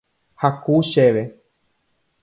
Haku chéve.